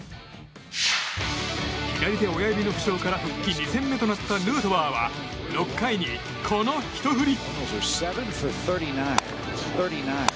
左手親指の負傷から復帰２戦目となったヌートバーは６回に、このひと振り。